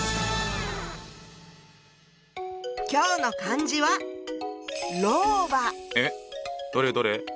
今日の漢字はえっどれどれ？